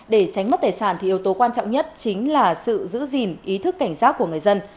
để tránh mất tài sản thì yếu tố quan trọng nhất chính là sự giữ gìn ý thức cảnh giác của người dân